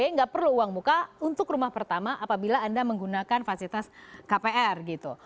tidak perlu uang muka untuk rumah pertama apabila anda menggunakan fasilitas kpr gitu